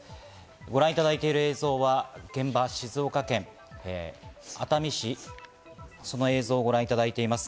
ご覧いただいている映像は現場、静岡県熱海市の映像をご覧いただいています。